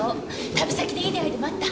旅先でいい出会いでもあった？